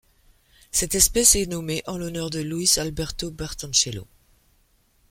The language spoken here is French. Cette espèce est nommée en l'honneur de Luis Alberto Bertoncello.